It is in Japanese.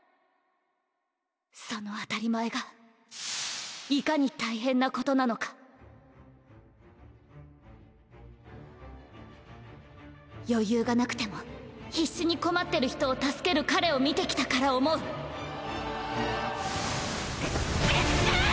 その当たり前がいかに大変なことなのか余裕がなくても必死に困ってる人を助ける彼を見てきたから思うデクくん！